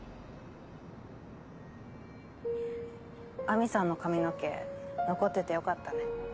亜美さんの髪の毛残っててよかったね。